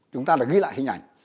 chúng ta đã ghi lại hình ảnh